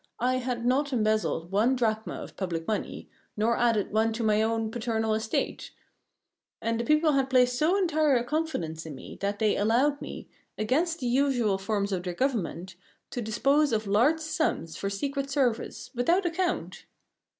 I had not embezzled one drachma of public money, nor added one to my own paternal estate; and the people had placed so entire a confidence in me that they had allowed me, against the usual forms of their government, to dispose of large sums for secret service, without account.